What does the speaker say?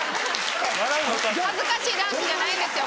恥ずかしいダンスじゃないんですよ